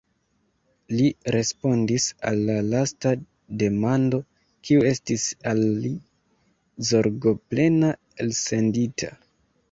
li respondis al la lasta demando, kiu estis al li zorgoplena elsendita.